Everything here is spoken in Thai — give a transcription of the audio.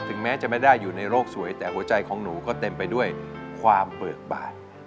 แม้จะไม่ได้อยู่ในโลกสวยแต่หัวใจของหนูก็เต็มไปด้วยความเบิกบาด